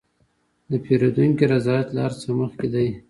د پیرودونکي رضایت له هر څه مخکې دی.